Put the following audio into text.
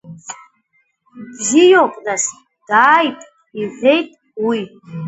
Бзиоуп нас, дааип, – иҳәеит уи.